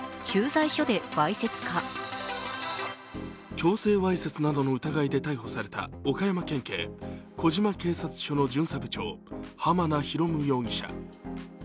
強制わいせつなどの疑いで逮捕された岡山県警児島警察署の巡査部長、濱名啓容疑者。